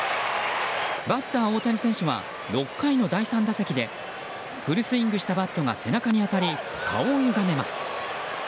バッター大谷選手は６回の第３打席でフルスイングしたバットが背中に当たり、顔をゆがめます。